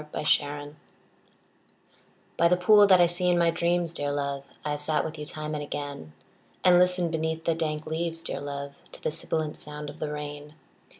THE POOL By the pool that I see in my dreams, dear love, I have sat with you time and again; And listened beneath the dank leaves, dear love, To the sibilant sound of the rain.